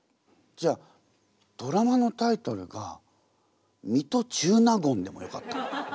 じゃあドラマのタイトルが「水戸中納言」でもよかった。